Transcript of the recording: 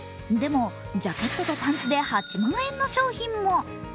でも、ジャケットとパンツで８万円の商品も。